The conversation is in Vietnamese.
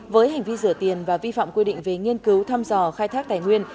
với hành vi rửa tiền và vi phạm quy định về nghiên cứu thăm dò khai thác tài nguyên